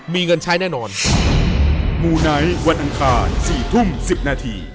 มีเงินใช้แน่นอน